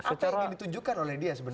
apa yang ditunjukkan oleh dia sebenarnya